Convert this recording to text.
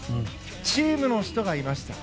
チームの人がいました。